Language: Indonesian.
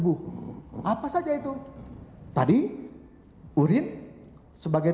nah untuk mencapai dia mendapatkan biomarker atau monitor itu harus diperhatikan